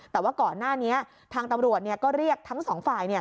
แต่ว่าก่อนหน้านี้ทางตำรวจก็เรียกทั้งสองฝ่าย